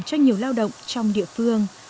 cho nhiều lao động trong địa phương